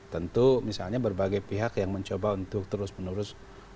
tentu misalnya berbagai pihak yang mencoba untuk terus menerus